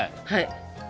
はい。